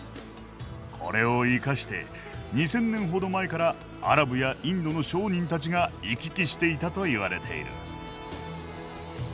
これを生かして２，０００年ほど前からアラブやインドの商人たちが行き来していたと言われている。